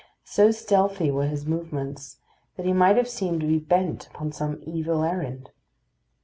So stealthy were his movements, that he might have seemed to be bent upon some evil errand.